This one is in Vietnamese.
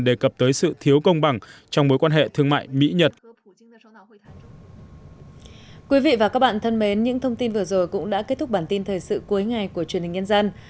đề cập tới sự thiếu công bằng trong mối quan hệ thương mại mỹ nhật